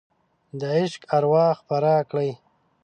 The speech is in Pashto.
د عشق اروا خپره کړئ